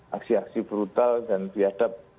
aksi aksi brutal dan biadab